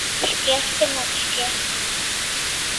— Шке ыштенам, шке...